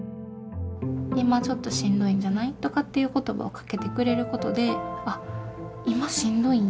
「今ちょっとしんどいんじゃない？」とかっていう言葉をかけてくれることで「ああ今しんどいんや」